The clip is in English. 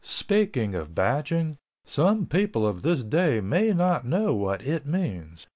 Speaking of batching, some people of this day may not know what it means.